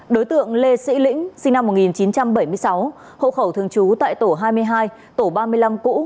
đối tượng lê sĩ lĩnh sinh năm một nghìn chín trăm bảy mươi sáu hộ khẩu thường trú tại tổ hai mươi hai tổ ba mươi năm cũ